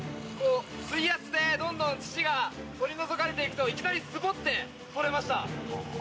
水圧でどんどん土が取り除かれていくといきなりスポッて採れました。